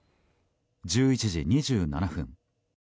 １１時２７分。